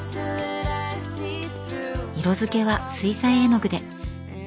色づけは水彩絵の具で。